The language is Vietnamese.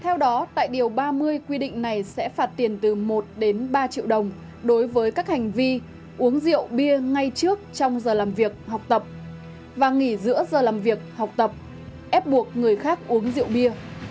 theo đó tại điều ba mươi quy định này sẽ phạt tiền từ một đến ba triệu đồng đối với các hành vi uống rượu bia ngay trước trong giờ làm việc học tập và nghỉ giữa giờ làm việc học tập ép buộc người khác uống rượu bia